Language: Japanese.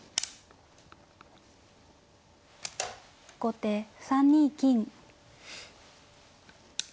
後手３二金。